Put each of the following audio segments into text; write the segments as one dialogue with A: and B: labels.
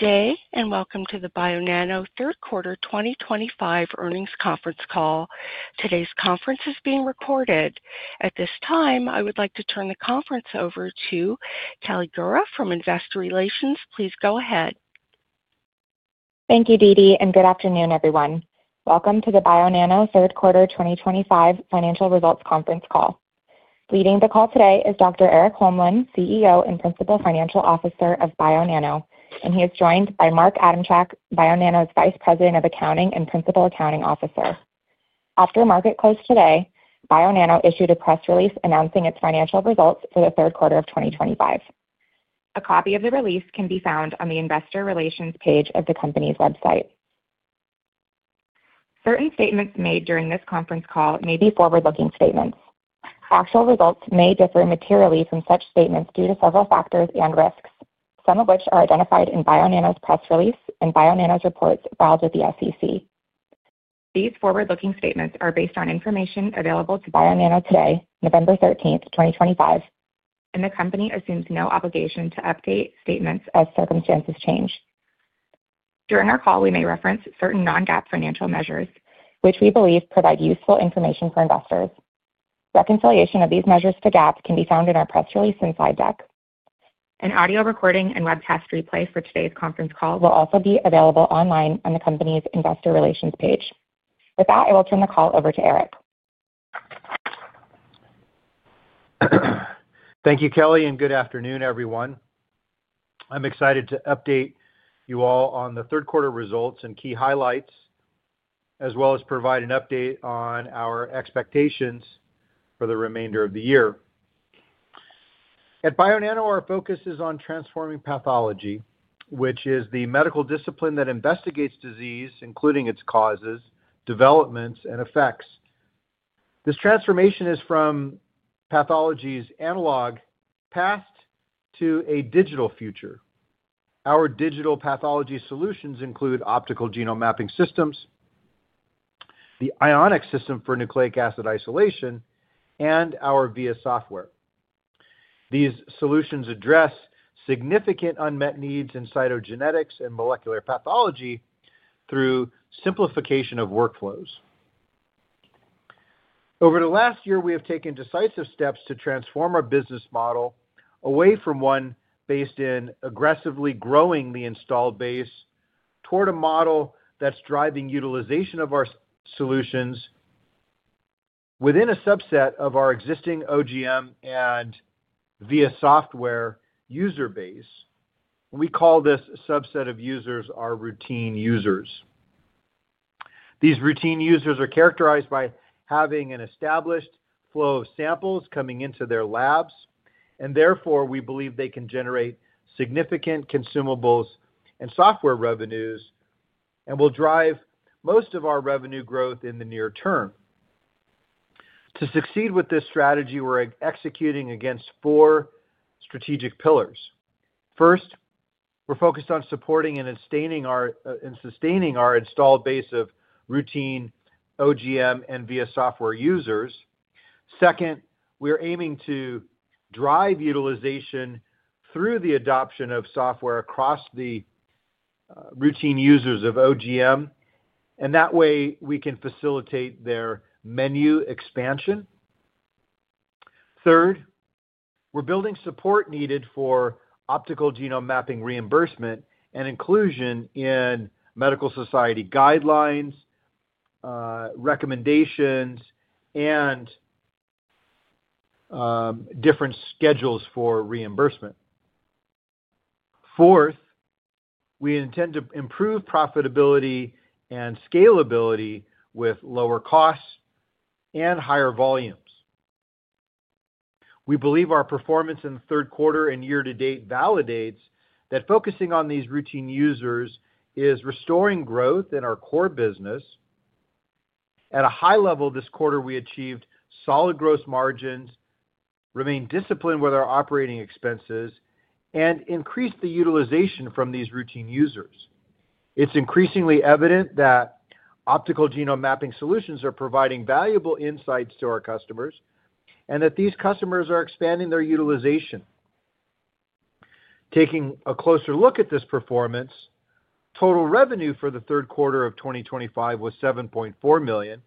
A: Today, and welcome to the Bionano third quarter 2025 Earnings conference call. Today's conference is being recorded. At this time, I would like to turn the conference over to Kelly Gura from Investor Relations. Please go ahead.
B: Thank you, Dee Dee, and good afternoon, everyone. Welcome to the Bionano third quarter 2025 financial results conference call. Leading the call today is Dr. Erik Holmlin, CEO and Principal Financial Officer of Bionano, and he is joined by Mark Adamchak, Bionano's Vice President of Accounting and Principal Accounting Officer. After market close today, Bionano issued a press release announcing its financial results for the third quarter of 2025. A copy of the release can be found on the Investor Relations page of the company's website. Certain statements made during this conference call may be forward-looking statements. Actual results may differ materially from such statements due to several factors and risks, some of which are identified in Bionano's press release and Bionano's reports filed with the SEC. These forward-looking statements are based on information available to Bionano today, November 13, 2025, and the company assumes no obligation to update statements as circumstances change. During our call, we may reference certain non-GAAP financial measures, which we believe provide useful information for investors. Reconciliation of these measures to GAAP can be found in our press release and slide deck. An audio recording and webcast replay for today's conference call will also be available online on the company's Investor Relations page. With that, I will turn the call over to Erik.
C: Thank you, Kelly, and good afternoon, everyone. I'm excited to update you all on the third quarter results and key highlights, as well as provide an update on our expectations for the remainder of the year. At Bionano, our focus is on transforming pathology, which is the medical discipline that investigates disease, including its causes, developments, and effects. This transformation is from pathology's analog past to a digital future. Our digital pathology solutions include optical genome mapping systems, the Ionic system for nucleic acid isolation, and our VIA software. These solutions address significant unmet needs in cytogenetics and molecular pathology through simplification of workflows. Over the last year, we have taken decisive steps to transform our business model away from one based in aggressively growing the installed base toward a model that's driving utilization of our solutions within a subset of our existing OGM and VIA software user base. We call this subset of users our routine users. These routine users are characterized by having an established flow of samples coming into their labs, and therefore we believe they can generate significant consumables and software revenues and will drive most of our revenue growth in the near term. To succeed with this strategy, we're executing against four strategic pillars. First, we're focused on supporting and sustaining our installed base of routine OGM and VIA software users. Second, we are aiming to drive utilization through the adoption of software across the routine users of OGM, and that way we can facilitate their menu expansion. Third, we're building support needed for optical genome mapping reimbursement and inclusion in medical society guidelines, recommendations, and different schedules for reimbursement. Fourth, we intend to improve profitability and scalability with lower costs and higher volumes. We believe our performance in the third quarter and year to date validates that focusing on these routine users is restoring growth in our core business. At a high level, this quarter we achieved solid gross margins, remained disciplined with our operating expenses, and increased the utilization from these routine users. It's increasingly evident that optical genome mapping solutions are providing valuable insights to our customers and that these customers are expanding their utilization. Taking a closer look at this performance, total revenue for the third quarter of 2025 was $7.4 million,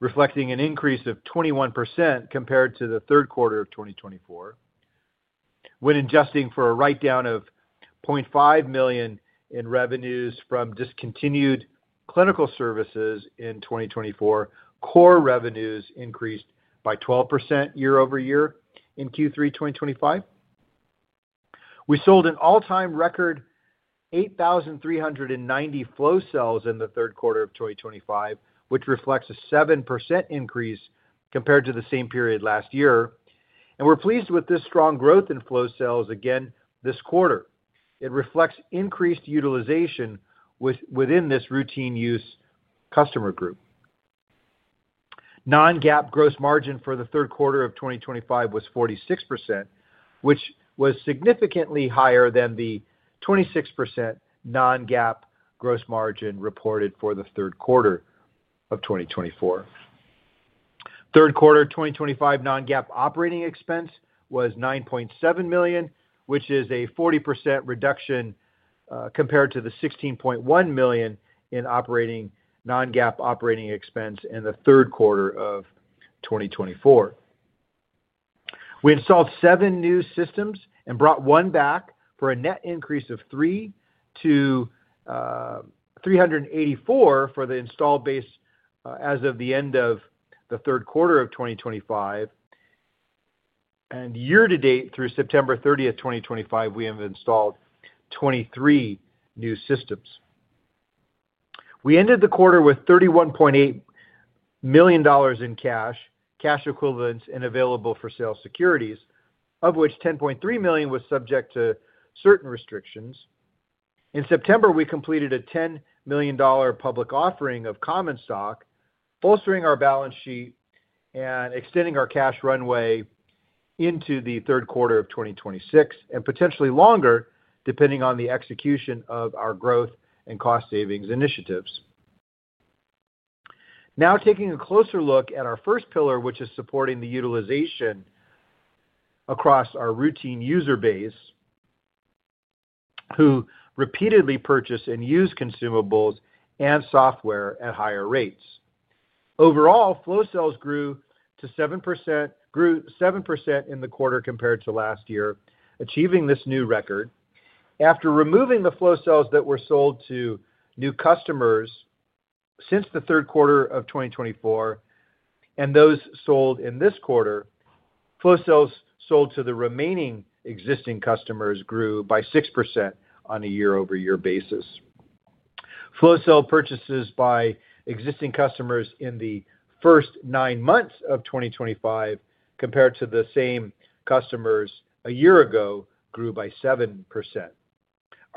C: reflecting an increase of 21% compared to the third quarter of 2024. When adjusting for a write-down of $0.5 million in revenues from discontinued clinical services in 2024, core revenues increased by 12% year over year in Q3 2025. We sold an all-time record 8,390 flow cells in the third quarter of 2025, which reflects a 7% increase compared to the same period last year. We are pleased with this strong growth in flow cells again this quarter. It reflects increased utilization within this routine use customer group. Non-GAAP gross margin for the third quarter of 2025 was 46%, which was significantly higher than the 26% non-GAAP gross margin reported for the third quarter of 2024. Third quarter 2025 non-GAAP operating expense was $9.7 million, which is a 40% reduction compared to the $16.1 million in non-GAAP operating expense in the third quarter of 2024. We installed seven new systems and brought one back for a net increase of 384 for the installed base as of the end of the third quarter of 2025. Year to date, through September 30, 2025, we have installed 23 new systems. We ended the quarter with $31.8 million in cash, cash equivalents, and available for sale securities, of which $10.3 million was subject to certain restrictions. In September, we completed a $10 million public offering of common stock, bolstering our balance sheet and extending our cash runway into the third quarter of 2026 and potentially longer, depending on the execution of our growth and cost savings initiatives. Now, taking a closer look at our first pillar, which is supporting the utilization across our routine user base who repeatedly purchase and use consumables and software at higher rates. Overall, flow cells grew 7% in the quarter compared to last year, achieving this new record after removing the flow cells that were sold to new customers since the third quarter of 2024 and those sold in this quarter. Flow cells sold to the remaining existing customers grew by 6% on a year-over-year basis. Flow cell purchases by existing customers in the first nine months of 2025 compared to the same customers a year ago grew by 7%.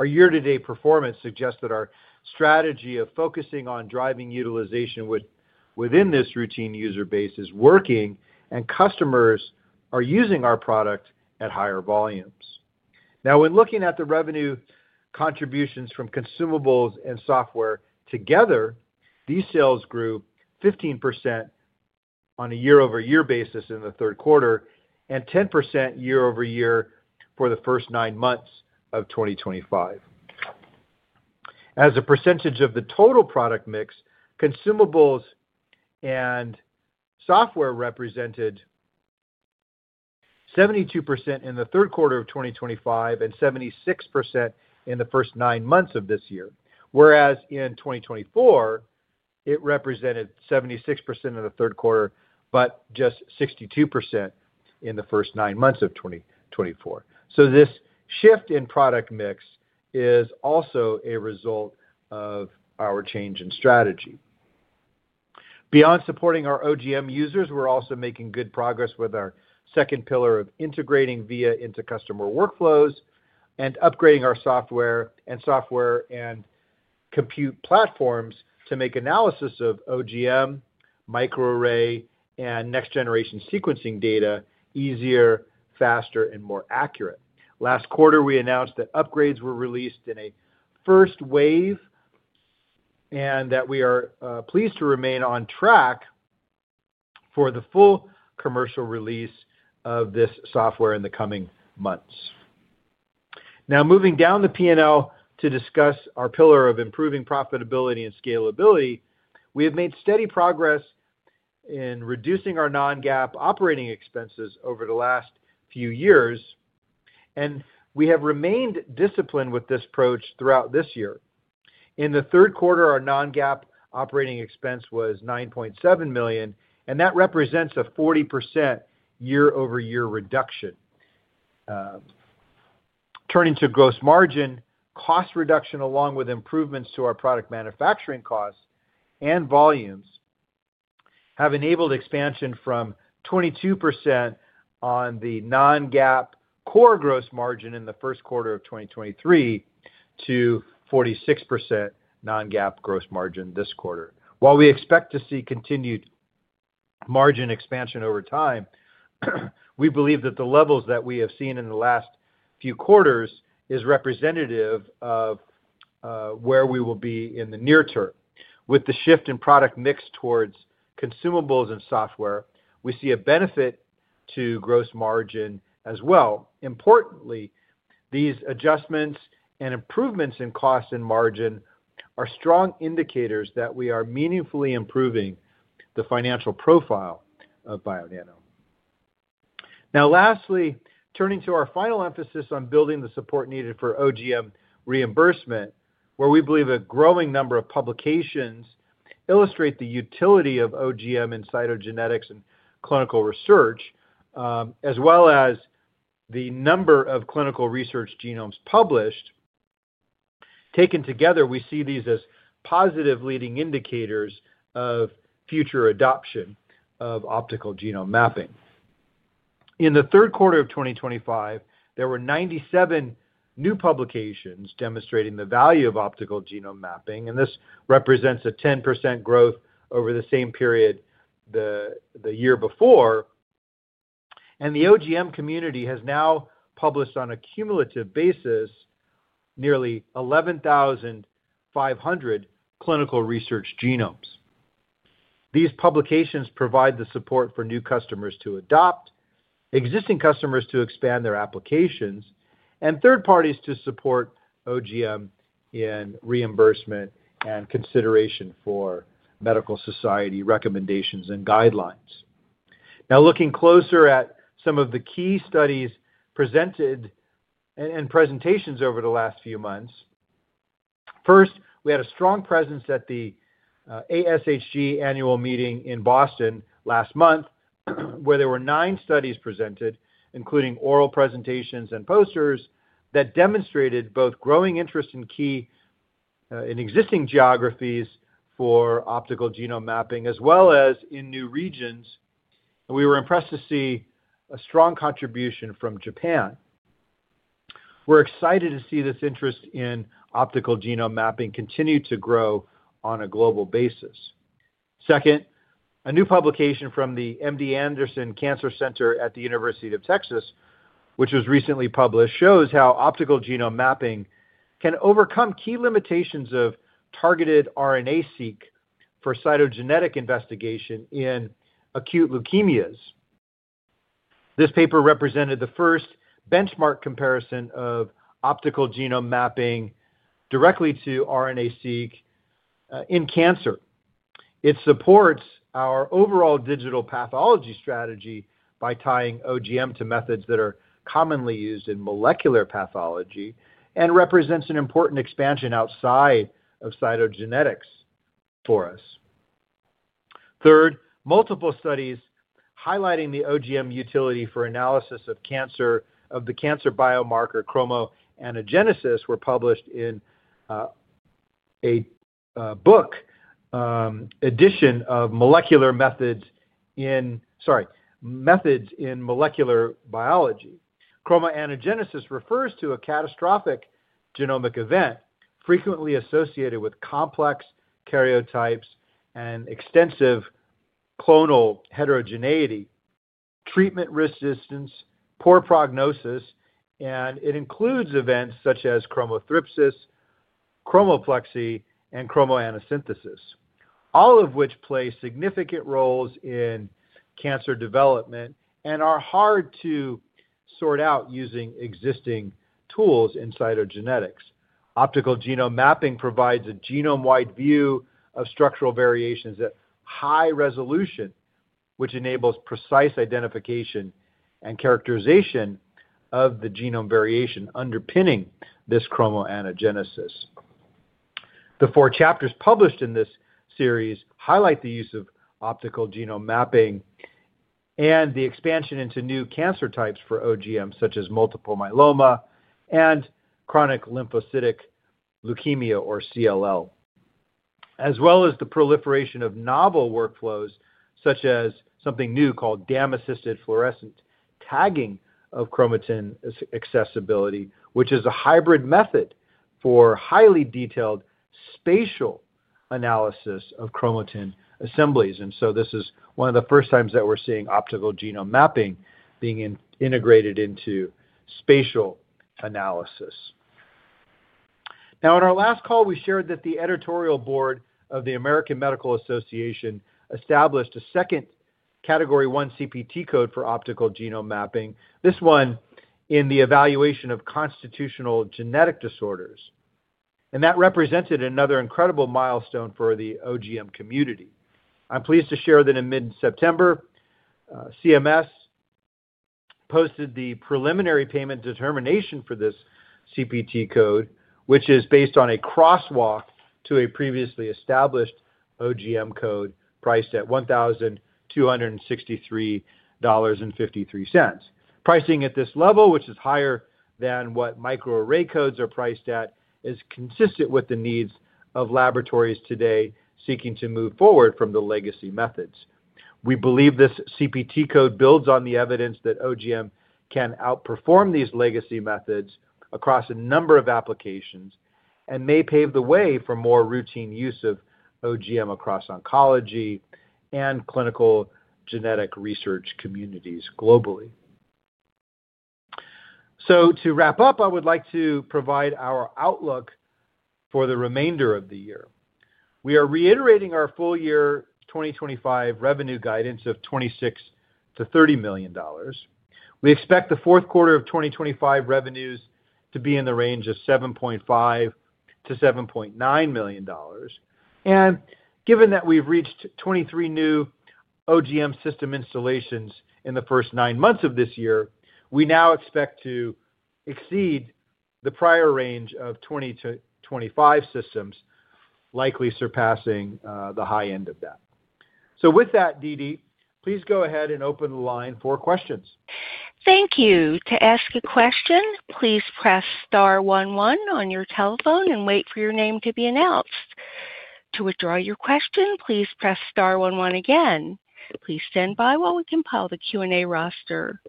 C: Our year-to-date performance suggests that our strategy of focusing on driving utilization within this routine user base is working, and customers are using our product at higher volumes. Now, when looking at the revenue contributions from consumables and software together, these sales grew 15% on a year-over-year basis in the third quarter and 10% year-over-year for the first nine months of 2025. As a percentage of the total product mix, consumables and software represented 72% in the third quarter of 2025 and 76% in the first nine months of this year, whereas in 2024, it represented 76% in the third quarter, but just 62% in the first nine months of 2024. This shift in product mix is also a result of our change in strategy. Beyond supporting our OGM users, we're also making good progress with our second pillar of integrating VIA into customer workflows and upgrading our software and compute platforms to make analysis of OGM, microarray, and next-generation sequencing data easier, faster, and more accurate. Last quarter, we announced that upgrades were released in a first wave and that we are pleased to remain on track for the full commercial release of this software in the coming months. Now, moving down the P&L to discuss our pillar of improving profitability and scalability, we have made steady progress in reducing our non-GAAP operating expenses over the last few years, and we have remained disciplined with this approach throughout this year. In the third quarter, our non-GAAP operating expense was $9.7 million, and that represents a 40% year-over-year reduction. Turning to gross margin, cost reduction along with improvements to our product manufacturing costs and volumes have enabled expansion from 22% on the non-GAAP core gross margin in the first quarter of 2023 to 46% non-GAAP gross margin this quarter. While we expect to see continued margin expansion over time, we believe that the levels that we have seen in the last few quarters are representative of where we will be in the near term. With the shift in product mix towards consumables and software, we see a benefit to gross margin as well. Importantly, these adjustments and improvements in cost and margin are strong indicators that we are meaningfully improving the financial profile of Bionano. Now, lastly, turning to our final emphasis on building the support needed for OGM reimbursement, where we believe a growing number of publications illustrate the utility of OGM in cytogenetics and clinical research, as well as the number of clinical research genomes published, taken together, we see these as positive leading indicators of future adoption of optical genome mapping. In the third quarter of 2025, there were 97 new publications demonstrating the value of optical genome mapping, and this represents a 10% growth over the same period the year before. The OGM community has now published on a cumulative basis nearly 11,500 clinical research genomes. These publications provide the support for new customers to adopt, existing customers to expand their applications, and third parties to support OGM in reimbursement and consideration for medical society recommendations and guidelines. Now, looking closer at some of the key studies presented and presentations over the last few months, first, we had a strong presence at the ASHG annual meeting in Boston last month, where there were nine studies presented, including oral presentations and posters, that demonstrated both growing interest in existing geographies for optical genome mapping as well as in new regions. We were impressed to see a strong contribution from Japan. We're excited to see this interest in optical genome mapping continue to grow on a global basis. Second, a new publication from the MD Anderson Cancer Center at the University of Texas, which was recently published, shows how optical genome mapping can overcome key limitations of targeted RNA-seq for cytogenetic investigation in acute leukemias. This paper represented the first benchmark comparison of optical genome mapping directly to RNA-seq in cancer. It supports our overall digital pathology strategy by tying OGM to methods that are commonly used in molecular pathology and represents an important expansion outside of cytogenetics for us. Third, multiple studies highlighting the OGM utility for analysis of the cancer biomarker chromoanagenesis were published in a book edition of Molecular Methods in Molecular Biology. Chromoanagenesis refers to a catastrophic genomic event frequently associated with complex karyotypes and extensive clonal heterogeneity, treatment resistance, poor prognosis, and it includes events such as chromothripsis, chromoplexy, and chromoanasynthesis, all of which play significant roles in cancer development and are hard to sort out using existing tools in cytogenetics. Optical genome mapping provides a genome-wide view of structural variations at high resolution, which enables precise identification and characterization of the genome variation underpinning this chromoanagenesis. The four chapters published in this series highlight the use of optical genome mapping and the expansion into new cancer types for OGM, such as multiple myeloma and chronic lymphocytic leukemia, or CLL, as well as the proliferation of novel workflows, such as something new called DAM-assisted fluorescent tagging of chromatin accessibility, which is a hybrid method for highly detailed spatial analysis of chromatin assemblies. This is one of the first times that we're seeing optical genome mapping being integrated into spatial analysis. On our last call, we shared that the editorial board of the American Medical Association established a second category one CPT code for optical genome mapping, this one in the evaluation of constitutional genetic disorders. That represented another incredible milestone for the OGM community. I'm pleased to share that in mid-September, CMS posted the preliminary payment determination for this CPT code, which is based on a crosswalk to a previously established OGM code priced at $1,263.53. Pricing at this level, which is higher than what microarray codes are priced at, is consistent with the needs of laboratories today seeking to move forward from the legacy methods. We believe this CPT code builds on the evidence that OGM can outperform these legacy methods across a number of applications and may pave the way for more routine use of OGM across oncology and clinical genetic research communities globally. To wrap up, I would like to provide our outlook for the remainder of the year. We are reiterating our full year 2025 revenue guidance of $26-30 million. We expect the fourth quarter of 2025 revenues to be in the range of $7.5-$7.9 million. Given that we have reached 23 new OGM system installations in the first nine months of this year, we now expect to exceed the prior range of 20-25 systems, likely surpassing the high end of that. With that, Deedee, please go ahead and open the line for questions.
A: Thank you. To ask a question, please press star one one on your telephone and wait for your name to be announced. To withdraw your question, please press star one one again. Please stand by while we compile the Q&A roster.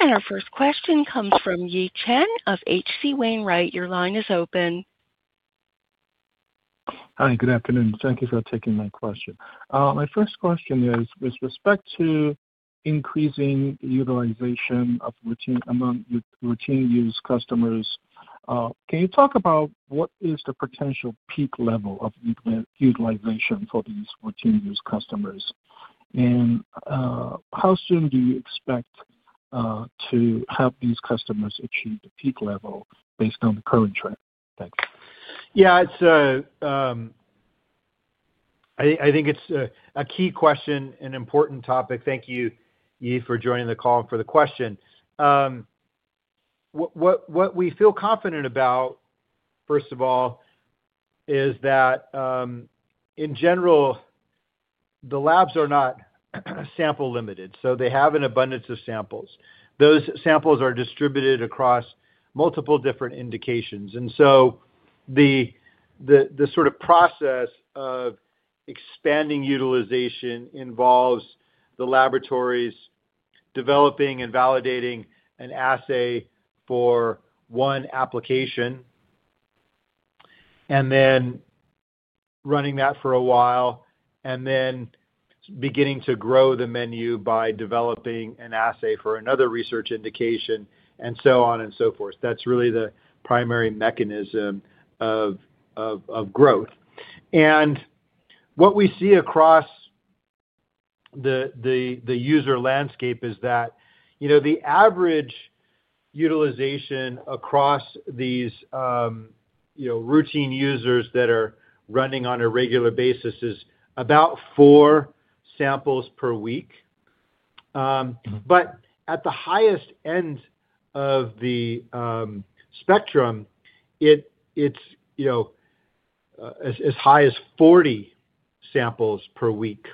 A: Our first question comes from Yi Chen of H.C. Wainwright. Your line is open.
D: Hi, good afternoon. Thank you for taking my question. My first question is with respect to increasing utilization of routine among routine use customers, can you talk about what is the potential peak level of utilization for these routine use customers? How soon do you expect to help these customers achieve the peak level based on the current trend? Thanks.
C: Yeah, I think it's a key question, an important topic. Thank you, Yi, for joining the call and for the question. What we feel confident about, first of all, is that in general, the labs are not sample-limited. They have an abundance of samples. Those samples are distributed across multiple different indications. The sort of process of expanding utilization involves the laboratories developing and validating an assay for one application, and then running that for a while, and then beginning to grow the menu by developing an assay for another research indication, and so on and so forth. That is really the primary mechanism of growth. What we see across the user landscape is that the average utilization across these routine users that are running on a regular basis is about four samples per week. At the highest end of the spectrum, it is as high as 40 samples per week.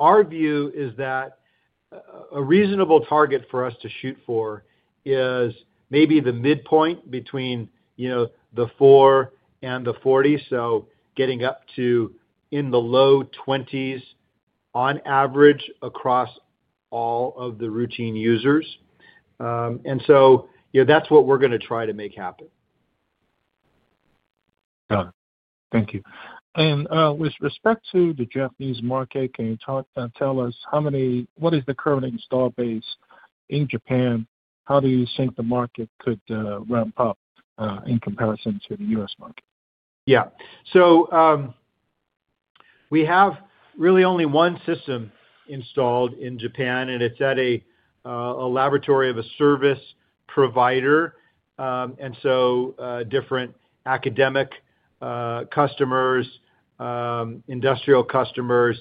C: Our view is that a reasonable target for us to shoot for is maybe the midpoint between the four and the 40, so getting up to in the low 20s on average across all of the routine users. And so that's what we're going to try to make happen.
D: Got it. Thank you. With respect to the Japanese market, can you tell us how many, what is the current install base in Japan? How do you think the market could ramp up in comparison to the U.S. market?
C: Yeah. We have really only one system installed in Japan, and it's at a laboratory of a service provider. Different academic customers, industrial customers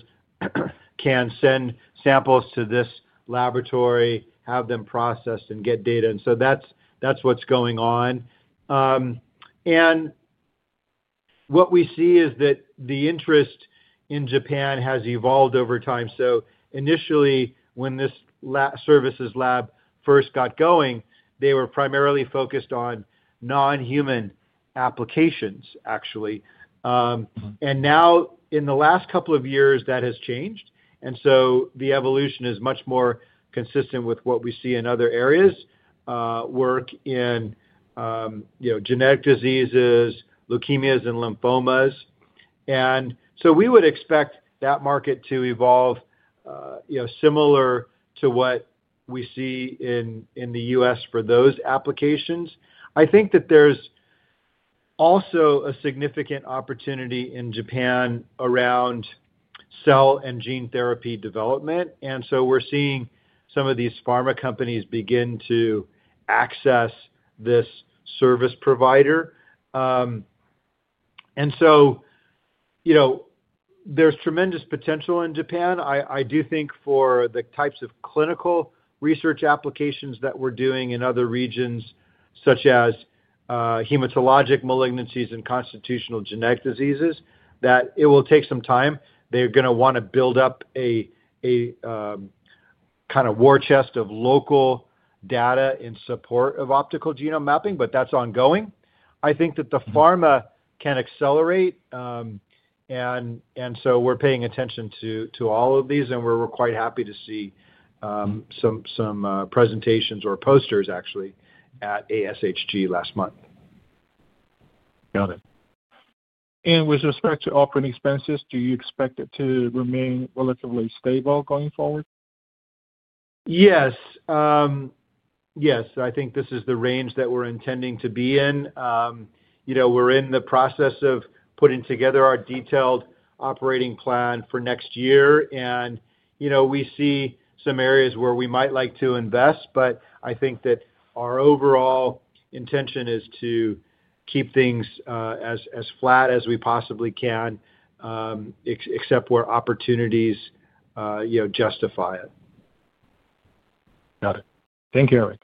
C: can send samples to this laboratory, have them processed, and get data. That's what's going on. What we see is that the interest in Japan has evolved over time. Initially, when this services lab first got going, they were primarily focused on non-human applications, actually. Now, in the last couple of years, that has changed. The evolution is much more consistent with what we see in other areas: work in genetic diseases, leukemias, and lymphomas. We would expect that market to evolve similar to what we see in the U.S. for those applications. I think that there's also a significant opportunity in Japan around cell and gene therapy development. We're seeing some of these pharma companies begin to access this service provider. There is tremendous potential in Japan. I do think for the types of clinical research applications that we're doing in other regions, such as hematologic malignancies and constitutional genetic diseases, it will take some time. They're going to want to build up a kind of war chest of local data in support of optical genome mapping, but that's ongoing. I think that the pharma can accelerate. We are paying attention to all of these, and we are quite happy to see some presentations or posters, actually, at ASHG last month. Got it. With respect to operating expenses, do you expect it to remain relatively stable going forward? Yes. Yes. I think this is the range that we are intending to be in. We are in the process of putting together our detailed operating plan for next year. We see some areas where we might like to invest, but I think that our overall intention is to keep things as flat as we possibly can, except where opportunities justify it.
D: Got it. Thank you, Erik.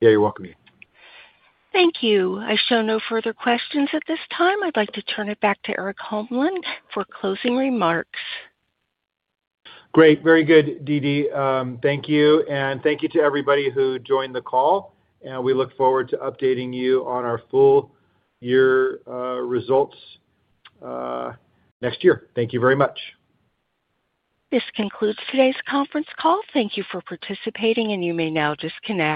D: Yeah, you are welcome, Yi.
A: Thank you. I show no further questions at this time. I would like to turn it back to Erik Holmlin for closing remarks.
C: Great. Very good, Deedee. Thank you. Thank you to everybody who joined the call. We look forward to updating you on our full year results next year. Thank you very much.
A: This concludes today's conference call. Thank you for participating, and you may now disconnect.